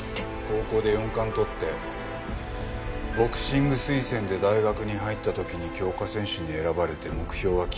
高校で４冠とってボクシング推薦で大学に入った時に強化選手に選ばれて目標は金メダル。